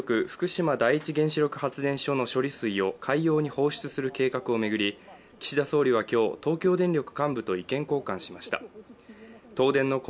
東京電力・福島第一原子力発電所の処理水を、海洋に放出する計画を巡り、岸田総理は今日東京電力幹部と意見交換しました。